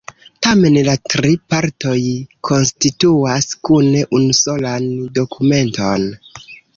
Tamen la tri partoj konstituas kune unusolan dokumenton.